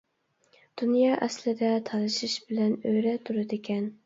دۇنيا ئەسلىدە تالىشىش بىلەن ئۆرە تۇرىدىكەن.